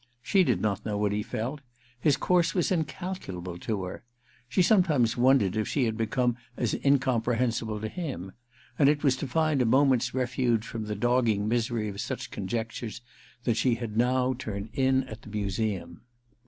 She did not know what he felt : his course was incalculable to her. She some times wondered if she had become as incompre hensible to him ; and it was to find a moment's refuge from the dogging misery of such con jectures that she had now turned in at the Museum.